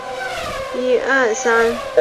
该文物保护单位由洮南市文管所管理。